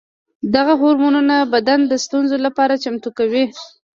دغه هورمونونه بدن د ستونزو لپاره چمتو کوي.